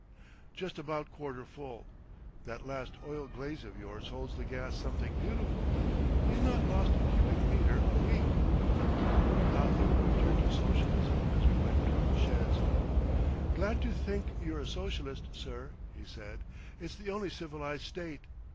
"Just about quarter full. That last oil glaze of yours holds the gas something beautiful. He's not lost a cubic metre a week."... Cothope returned to Socialism as we went toward the sheds. "Glad to think you're a Socialist, sir," he said, "it's the only civilised state.